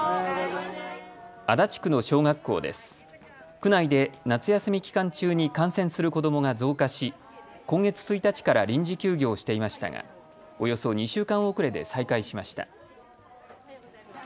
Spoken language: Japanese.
区内で夏休み期間中に感染する子どもが増加し今月１日から臨時休業していましたがおよそ２週間遅れで再開しました。